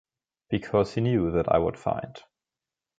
because he knew that i would find.